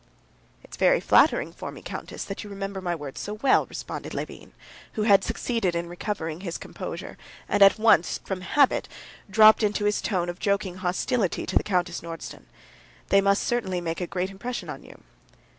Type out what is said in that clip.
"It's very flattering for me, countess, that you remember my words so well," responded Levin, who had succeeded in recovering his composure, and at once from habit dropped into his tone of joking hostility to the Countess Nordston. "They must certainly make a great impression on you."